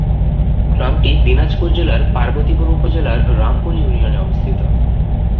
গ্রামটি দিনাজপুর জেলার পার্বতীপুর উপজেলার রামপুর ইউনিয়নে অবস্থিত।